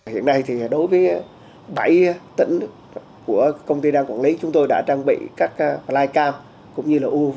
hiện nay thì đối với bảy tỉnh của công ty đang quản lý chúng tôi đã trang bị các flycam cũng như là uav